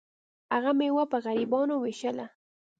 هغه میوه په غریبانو ویشله.